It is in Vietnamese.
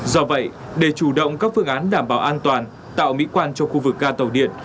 do vậy để chủ động các phương án đảm bảo an toàn tạo mỹ quan cho khu vực ga tàu điện